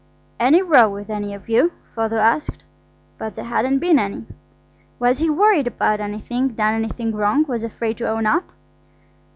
"Any row with any of you?" Father asked. But there hadn't been any. "Was he worried about anything? Done anything wrong, and afraid to own up?"